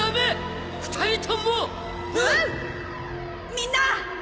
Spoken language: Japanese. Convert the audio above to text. みんな！